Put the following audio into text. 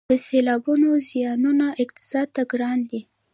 د سیلابونو زیانونه اقتصاد ته ګران دي